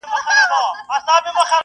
بېګناه چي د ګناه په تهمت وژني `